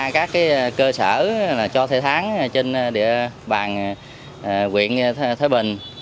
các cơ sở cho thuê tháng trên địa bàn huyện thái bình